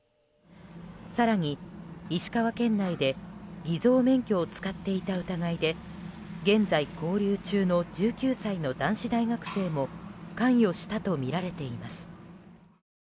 更に石川県内で偽造免許を使っていた疑いで現在、勾留中の１９歳の男子大学生も関与したとみられています。